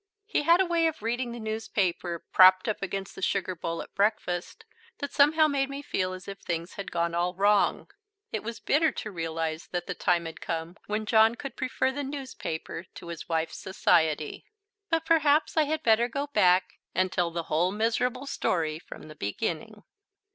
He had a way of reading the newspaper, propped up against the sugar bowl, at breakfast, that somehow made me feel as if things had gone all wrong. It was bitter to realize that the time had come when John could prefer the newspaper to his wife's society. But perhaps I had better go back and tell the whole miserable story from the beginning.